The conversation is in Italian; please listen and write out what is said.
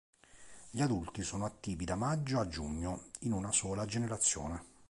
Gli adulti sono attivi da maggio a giugno, in una sola generazione.